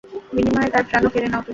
বিনিময়ে তার প্রাণও কেড়ে নাও তুমি!